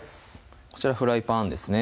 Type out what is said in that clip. こちらフライパンですね